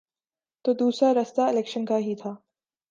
تو دوسرا راستہ الیکشن کا ہی تھا۔